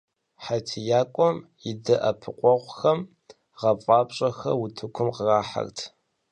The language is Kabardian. ХьэтиякӀуэм и дэӀэпыкъуэгъухэм гъэфӀапщӀэхэр утыкум кърахьэрт.